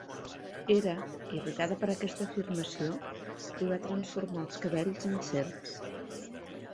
Hera, irritada per aquesta afirmació, li va transformar els cabells en serps.